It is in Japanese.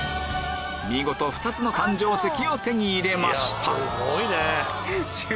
見事２つの誕生石を手に入れました